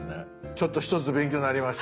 ちょっと一つ勉強なりました。